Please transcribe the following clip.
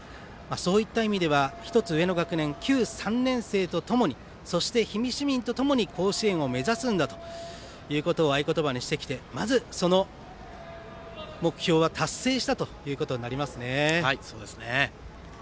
そういった意味では１つ上の学年旧３年生とともにそして、氷見市民とともに甲子園を目指すんだということを合言葉にしてきてまず、その目標は達成したということになりますね。